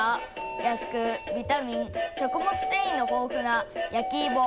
安くビタミン食物繊維の豊富な焼き芋。